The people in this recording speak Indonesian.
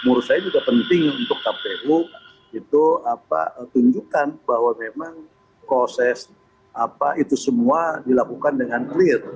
menurut saya juga penting untuk kpu itu tunjukkan bahwa memang proses itu semua dilakukan dengan clear